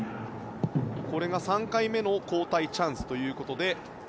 これが３回目の交代チャンスということで。